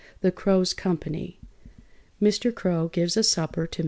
THE CROW'S COMPANY MR. CROW GIVES A SUPPER TO MR.